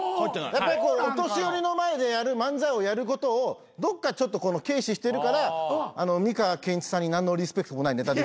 やっぱりお年寄りの前で漫才をやることをどっかちょっと軽視してるから美川憲一さんに何のリスペクトもないネタできる。